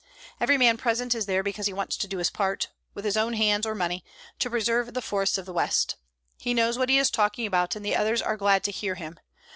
Every man present is there because he wants to do his part, with his own hands or money, to preserve the forests of the West. He knows what he is talking about and the others are glad to hear him.